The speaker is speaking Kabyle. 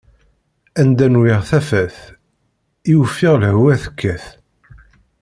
Anda nwiɣ tafat, i ufiɣ lehwa tekkat.